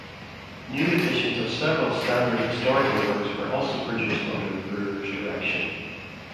New editions of several standard historical works were also produced under Brewer's direction.